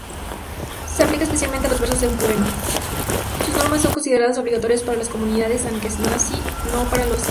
Sus normas son consideradas obligatorias para la comunidad asquenazí, no así para la sefardí.